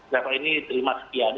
trekor ini diterima sekian